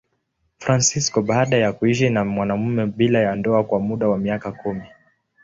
Fransisko baada ya kuishi na mwanamume bila ya ndoa kwa muda wa miaka kumi.